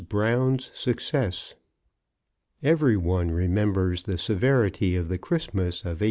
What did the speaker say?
brown's success. Every one remembers the severity of the Christmas of 187